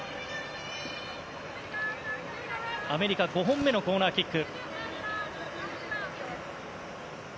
アメリカ５本目のコーナーキック。